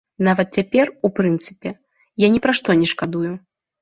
Нават цяпер, у прынцыпе, я ні пра што не шкадую.